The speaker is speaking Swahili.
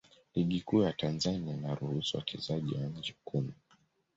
Ligi Kuu ya Tanzania inaruhusu wachezaji wa nje kumi.